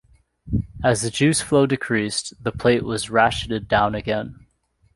As the juice flow decreased, the plate was ratcheted down again.